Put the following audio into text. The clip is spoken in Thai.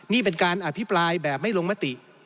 นี่เป็นการอภิปรายแบบไม่ลงมติ